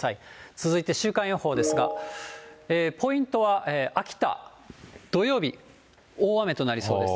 続いて週間予報ですが、ポイントは秋田、土曜日、大雨となりそうです。